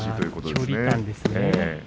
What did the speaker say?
距離感ですね。